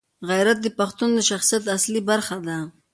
غیرت د پښتون د شخصیت اصلي برخه ده.